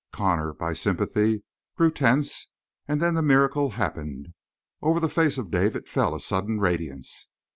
Connor, by sympathy, grew tense and then the miracle happened. Over the face of David fell a sudden radiance.